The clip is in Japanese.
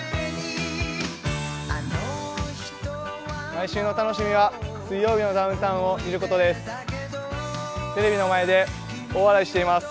毎週の楽しみは、「水曜日のダウンタウン」を見ることです。